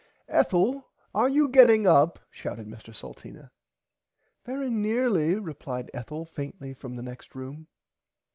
Ethel are you getting up shouted Mr Salteena. Very nearly replied Ethel faintly from the next room.